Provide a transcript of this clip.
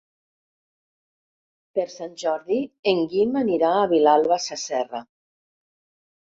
Per Sant Jordi en Guim anirà a Vilalba Sasserra.